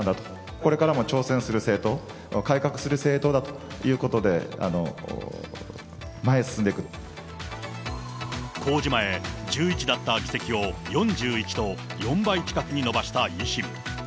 これからも挑戦する政党、改革する政党だということで、公示前、１１だった議席を４１と４倍近くに伸ばした維新。